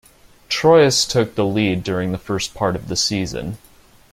Troyes took the lead during the first part of the season.